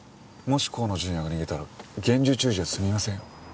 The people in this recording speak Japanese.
もし河野純也が逃げたら厳重注意じゃ済みませんよ。